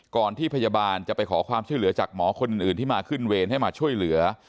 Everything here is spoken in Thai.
กว่าที่พยาบาลจะขอความชื่อเหลือจากหมออื่นที่ขึ้นเวนให้มาช่วยเหลือ